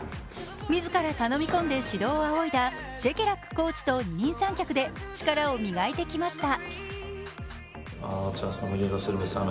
自ら頼み込んで指導を仰いだシェケラックコーチと二人三脚で力を磨いてきました。